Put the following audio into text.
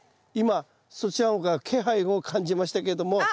今そちらの方から気配を感じましたけれども。